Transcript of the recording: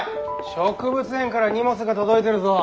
植物園から荷物が届いてるぞ！